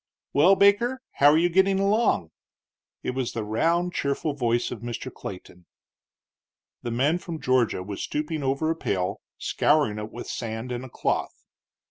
"Well, Baker, how are you getting along?" It was the round, cheerful voice of Mr. Clayton. The man from Georgia was stooping over a pail, scouring it with sand and a cloth.